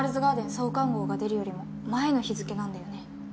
創刊号が出るよりも前の日付なんだよね。